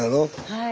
はい。